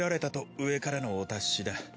上からのお達しだ。